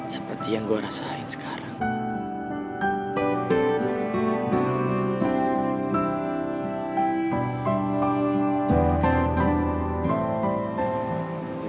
seperti yang gue rasain sekarang